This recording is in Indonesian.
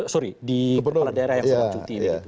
sorry di kepala daerah yang sedang cuti